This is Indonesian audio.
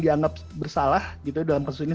dianggap bersalah gitu dalam kasus ini